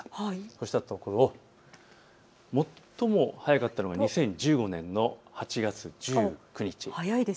そうしたところ、最も早かったのが２０１５年の８月１９日。